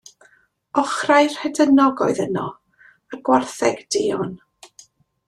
Ochrau rhedynog oedd yno, a gwartheg duon.